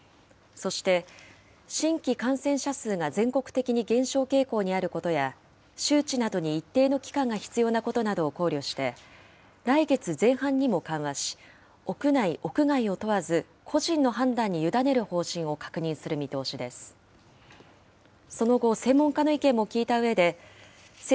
そして、新規感染者数が全国的に減少傾向にあることや、周知などに一定の期間が必要なことなどを考慮して、来月前半にも緩和し、屋内・屋外を問わず、個人の判断に委ねる方針を確認する見通しです。